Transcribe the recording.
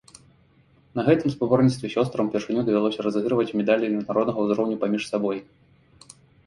На гэтым спаборніцтве сёстрам упершыню давялося разыгрываць медалі міжнароднага ўзроўню паміж сабой.